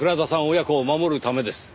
親子を守るためです。